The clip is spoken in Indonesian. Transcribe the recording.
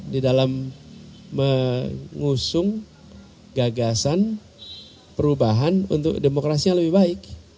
di dalam mengusung gagasan perubahan untuk demokrasi yang lebih baik